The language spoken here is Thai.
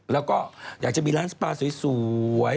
แล้วก็อยากจะมีร้านสปาสวย